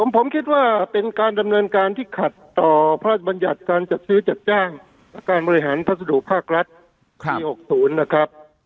ผมคิดว่าเป็นการดำเนินการที่ขัดต่อพระราชบัญญัติการจัดซื้อจัดจ้างและการบริหารพัสดุภาครัฐปี๖๐นะครับ